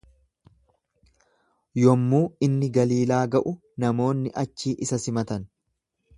Yommuu inni Galiilaa ga'u namoonni achii isa simatan.